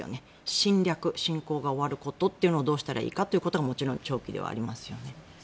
侵略、侵攻が終わることをどうしたらいいかってことももちろん長期ではありますよね。